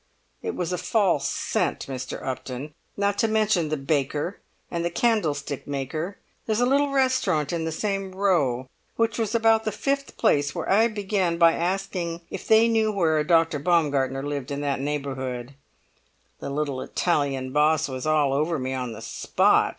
It was a false scent, Mr. Upton; not to mention the baker and the candlestick maker, there's a little restaurant in the same row, which was about the fifth place where I began by asking if they knew where a Dr. Baumgartner lived in that neighbourhood. The little Italian boss was all over me on the spot!